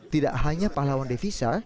tidak hanya pahlawan devisa